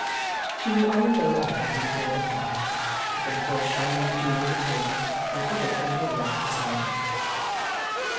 She was on a low ottoman before the fire, with a little shining jewel of a table, and her book and her work, beside her.